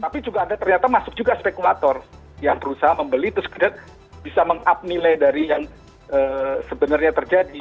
tapi juga ada ternyata masuk juga spekulator yang berusaha membeli terus bisa mengup nilai dari yang sebenarnya terjadi